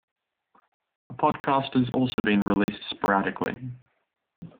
A podcast has also been released sporadically.